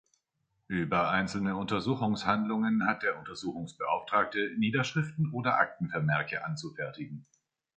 Über einzelne Untersuchungshandlungen hat der Untersuchungsbeauftragte Niederschriften oder Aktenvermerke anzufertigen